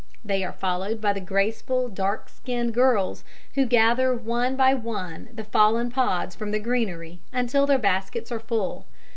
They are followed by the graceful, dark skinned girls, who gather one by one the fallen pods from the greenery, until their baskets are full.